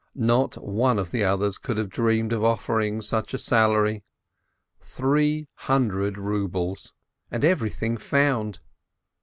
Not one of the others could have dreamed of offering him such a salary — three hundred rubles and everything found